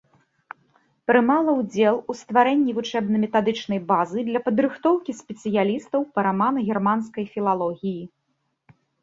Прымала ўдзел у стварэнні вучэбна-метадычнай базы для падрыхтоўкі спецыялістаў па рамана-германскай філалогіі.